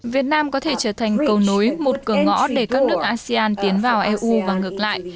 việt nam có thể trở thành cầu nối một cửa ngõ để các nước asean tiến vào eu và ngược lại